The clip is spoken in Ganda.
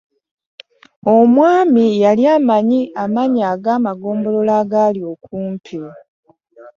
Omwami yali amanyi amannya agamaggombolola agali okumpi.